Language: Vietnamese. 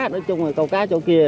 nói chung là câu cá chỗ kia